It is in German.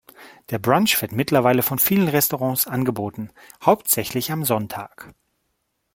Der Brunch wird mittlerweile von vielen Restaurants angeboten, hauptsächlich am Sonntag.